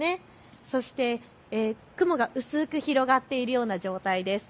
そして雲が薄く広がっているような状態です。